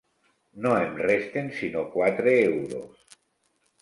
No em resten sinó quatre euros.